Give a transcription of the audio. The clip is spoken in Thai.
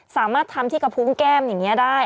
สามารถทำที่กระพุงแก้มอย่างนี้ได้